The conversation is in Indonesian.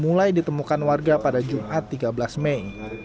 setelah itu anaknya ditemukan warga pada jumat tiga belas mei